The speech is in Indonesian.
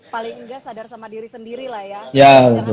paling enggak sadar sama diri sendiri lah ya